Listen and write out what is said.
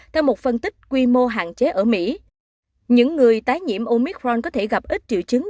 theo một phân tích quy mô hạn chế ở mỹ những người tái nhiễm omicron có thể gặp ít triệu chứng